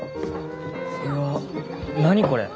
うわ何これ。